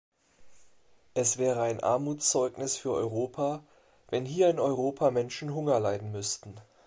Es wäre ein Armutszeugnis für Europa, wenn hier in Europa Menschen Hunger leiden müssten.